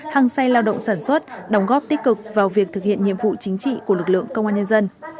hăng say lao động sản xuất đóng góp tích cực vào việc thực hiện nhiệm vụ chính trị của lực lượng công an nhân dân